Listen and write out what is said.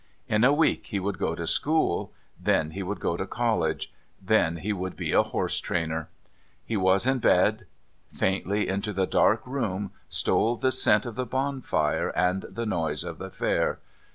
In a week he would go to school; then he would go to College; then he would be a horsetrainer. He was in bed; faintly into the dark room, stole the scent of the bonfire and the noise of the Fair.